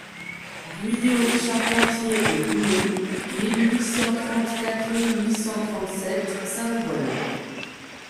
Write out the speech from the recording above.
Guyot, Charpentier et Dumont, mille huit cent trente-quatre-mille huit cent trente-sept, cinq vol.